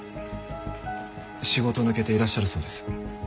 仕事抜けていらっしゃるそうです。